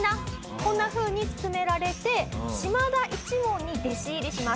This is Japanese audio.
こんなふうに勧められて島田一門に弟子入りします。